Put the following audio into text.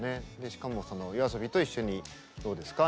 しかも「ＹＯＡＳＯＢＩと一緒にどうですか？」